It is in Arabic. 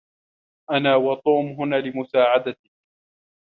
أنا وتوم هنا لمساعدتك.